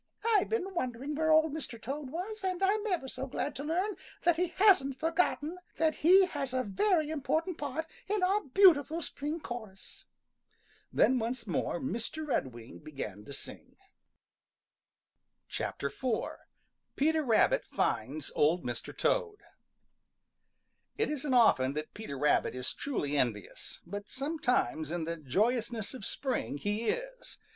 I've been wondering where Old Mr. Toad was, and I'm ever so glad to learn that he hasn't forgotten that he has a very important part in our beautiful spring chorus." Then once more Mr. Redwing began to sing. IV PETER RABBIT FINDS OLD MR. TOAD It isn't often that Peter Rabbit is truly envious, but sometimes in the joyousness of spring he is.